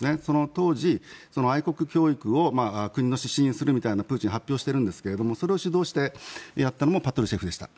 当時、愛国教育を国の指針するみたいなことをプーチンは発表しているんですがそれを主導してやったのもパトルシェフでした。